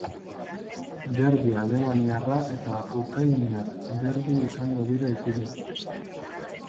Derbi alemaniarra eta ukainiar derbi izango dira ikusgai.